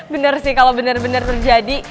bener sih kalo bener bener terjadi